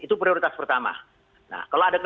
itu prioritas pertama